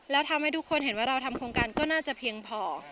แล้วทำให้ทุกคนเห็นว่าเราทำโครงการก็น่าจะเพียงพอ